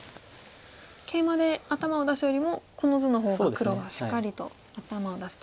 ケイマで頭を出すよりもこの図の方が黒はしっかりと頭を出していますね。